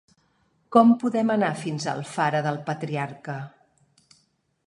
Com podem anar fins a Alfara del Patriarca?